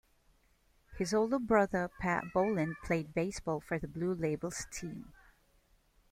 His older brother Pat Boland played baseball for the Blue Labels team.